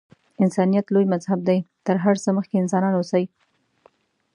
انسانیت لوی مذهب دی. تر هر څه مخکې انسانان اوسئ.